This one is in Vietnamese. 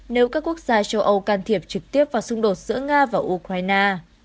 nếu các quốc gia châu âu can thiệp trực tiếp vào xung đột giữa nga và ukraine